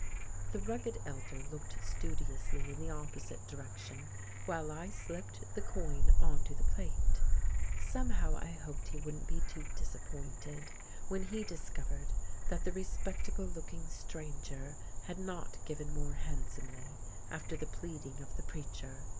The rugged elder looked studiously in the opposite direction while I slipped the coin on to the plate; somehow I hoped he wouldn't be too disappointed when he discovered that the respectable looking stranger had not given more handsomely after the pleading of the preacher.